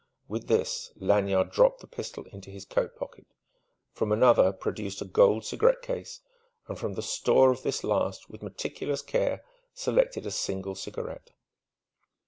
With this Lanyard dropped the pistol into his coat pocket, from another produced a gold cigarette case, and from the store of this last with meticulous care selected a single cigarette.